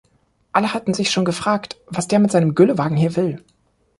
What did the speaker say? Alle hatten sich schon gefragt, was der mit seinem Güllewagen hier will.